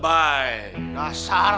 ya udah om